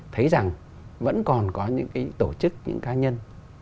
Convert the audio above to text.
thấy rằng vẫn còn có những cái tổ chức những cá nhân